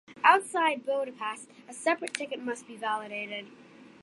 Outside Budapest, a separate ticket must be validated.